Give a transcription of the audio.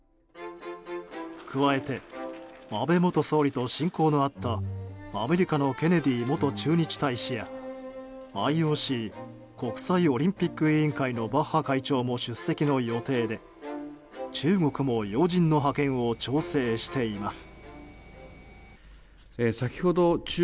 加えて安倍元総理と親交のあったアメリカのケネディ元駐日大使やＩＯＣ・国際オリンピック委員会のバッハ会長も出席の予定で中国も要人の派遣を調整しています。